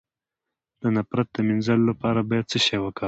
د نفرت د مینځلو لپاره باید څه شی وکاروم؟